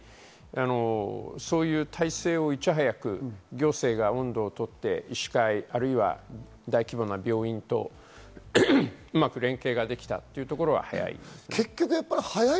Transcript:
そういう体制をいち早く行政が音頭を取って医師会、大規模な病院とうまく連携ができたところは早い。